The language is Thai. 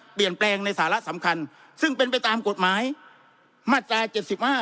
เปลี่ยนแปลงในสาระสำคัญซึ่งเป็นไปตามกฎหมายมาตรา๗๕